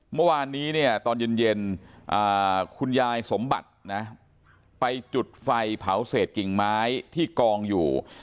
เมื่อวานนี้เนี่ยตอนเย็นคุณยายสมบัตินะไปจุดไฟเผาเศษกิ่งไม้ที่กองอยู่